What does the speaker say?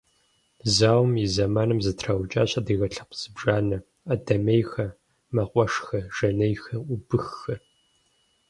Зауэм и зэманым зэтраукӏащ адыгэ лъэпкъ зыбжанэ: адэмейхэр, мэкъуэшхэр, жанейхэр, убыххэр.